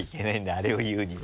あれを言うには。